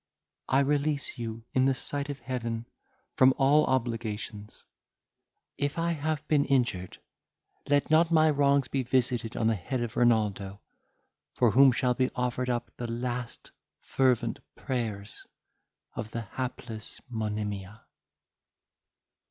I release you, in the sight of Heaven, from all obligations. If I have been injured, let not my wrongs be visited on the head of Renaldo, for whom shall be offered up the last fervent prayers of the hapless Monimia."